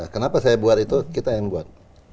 kenapa saya buat itu kita yang buat